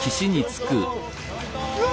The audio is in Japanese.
うわ！